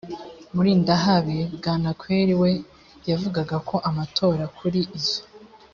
murindahabi bwanakweri we yavugaga ko amatora kuri izo